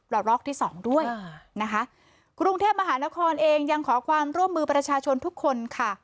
รอลอกที่สองด้วยนะคะกรุงเทพมหานครเองยังขอความร่วมมือประชาชนทุกคนค่ะ